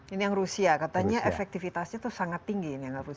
ini yang rusia katanya efektivitasnya itu sangat tinggi